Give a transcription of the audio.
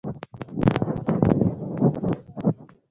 زما مورنۍ ژبه پښتو ده